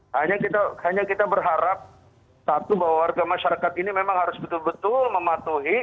hanya kita berharap satu bahwa warga masyarakat ini memang harus betul betul mematuhi